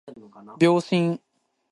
秒針